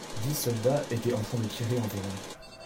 Dix soldats étaient en train de tirer environ.